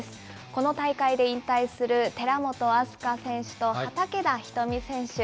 この大会で引退する寺本明日香選手と畠田瞳選手。